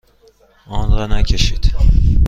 آن را نکشید.